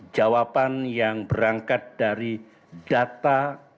jawaban yang berangkat dari data